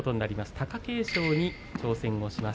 貴景勝に挑戦します。